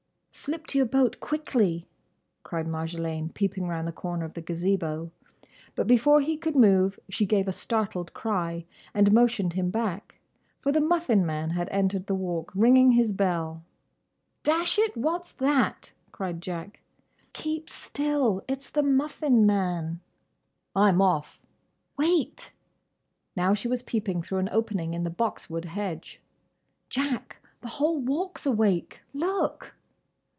"Slip to your boat, quickly!" cried Marjolaine, peeping round the corner of the Gazebo. But before he could move she gave a startled cry and motioned him back. For the Muffin man had entered the Walk ringing his bell. "Dash it! What's that?" cried Jack. "Keep still! It's the Muffin man!" "I'm off!" "Wait!" Now she was peeping through an opening in the box wood hedge. "Jack! The whole Walk's awake! Look!"